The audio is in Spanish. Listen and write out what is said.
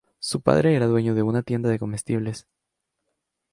Su padre era dueño de una tienda de comestibles.